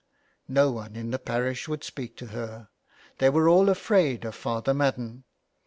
No one in the parish would speak to her; they were all afraid of Father Madden.